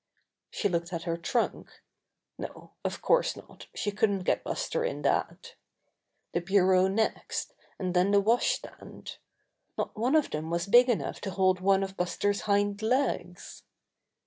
She looked at her trunk. No, of course, not; she couldn't get Buster in that. The bureau next, and then the wash stand. Not one of them was big enough to hold one of Buster's hind legs.